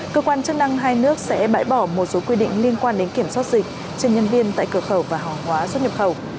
cơ quan chức năng hai nước sẽ bãi bỏ một số quy định liên quan đến kiểm soát dịch cho nhân viên tại cửa khẩu và hàng hóa xuất nhập khẩu